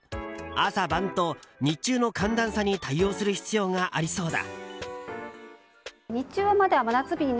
朝晩と日中の寒暖差に対応する必要がありそうだ。